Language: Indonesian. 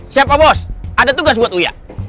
siapa bos ada tugas buat uya